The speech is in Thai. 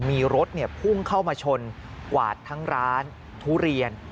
มีรถพุ่งเข้ามาชนกวาดทั้งร้านทุเรียน